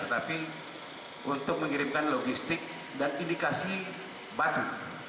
tetapi untuk mengirimkan logistik dan indikasi batu